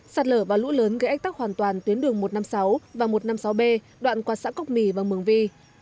sạt lở và lũ lớn gây ách tắc hoàn toàn tuyến đường một trăm năm mươi sáu và một trăm năm mươi sáu b đoạn qua xã cốc mì và mường vi